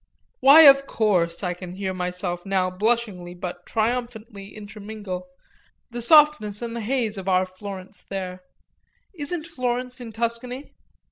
"Why, of course," I can hear myself now blushingly but triumphantly intermingle "the softness and the haze of our Florence there: isn't Florence in Tuscany?"